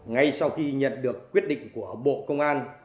ngay sau khi nhận được quyết định của bộ công an